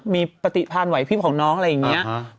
มีปฏิพันธ์ไหวพลิบของน้องอะไรอย่างนี้